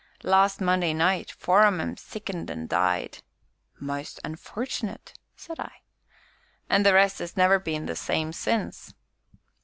"Last Monday night, four on 'em sickened an' died!" "Most unfortunate!" said I. "An' the rest 'as never been the same since."